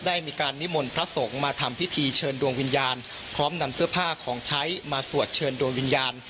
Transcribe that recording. ได้มีการนิมนต์พระสงฆ์มาทำพิธีเชิญดวงวิญญาณพร้อมนำเสื้อผ้าของใช้มาสวดเชิญดวงวิญญาณ